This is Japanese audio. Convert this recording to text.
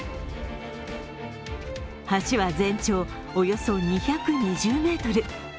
橋は全長およそ２２０ｍ。